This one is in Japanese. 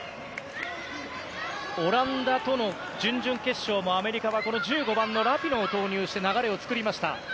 オランダとの準々決勝もアメリカは１５番のラピノを投入して流れを作りました。